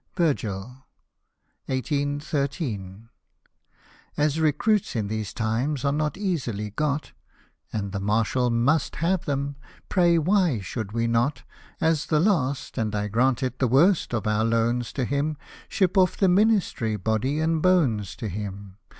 — Virgil. r^ 1813. \ As recruits in these times are not easily got, And the Marshal must have them — pray, why should we not, As the last and, I grant it, the worst of our loans to him, Ship off the Ministry, body and bones to him